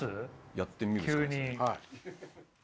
やってみるしかないですね。